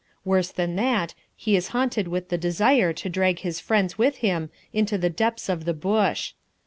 Worse than that, he is haunted with the desire to drag his friends with him into the depths of the Bush.